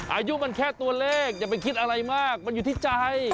อายุมันแค่ตัวเลขอย่าไปคิดอะไรมากมันอยู่ที่ใจ